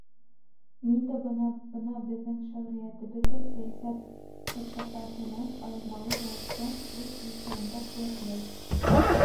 Мин дә бына Быны беҙҙең шиғриәтебеҙ ҙә сәйәсәт сафсатаһынан айырмалы рәүештә, үҙ юҫығында ҡеүәтләй.